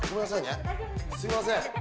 すいません